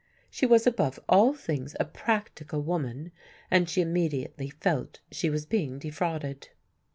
She was above all things a practical woman, and she immediately felt she was being defrauded.